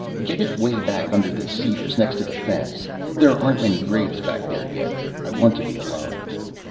"Get it way back under the cedars next to the fence. There aren't many graves back there yet. I want to be alone."